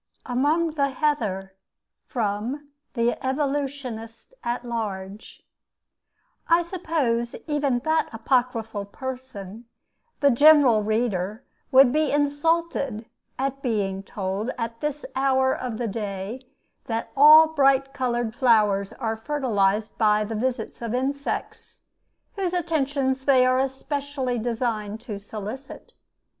AMONG THE HEATHER From 'The Evolutionist at Large' I suppose even that apocryphal person, the general reader, would be insulted at being told at this hour of the day that all bright colored flowers are fertilized by the visits of insects, whose attentions they are specially designed to solicit.